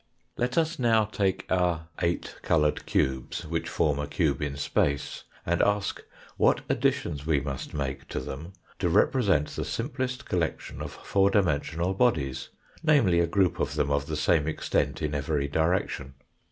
Let us now take our eight coloured cubes, which form ft cube in space, and ask what additions we must make to them to represent the simplest collection of four dimen sional bodies namely, a group of them of the same extent in every direction.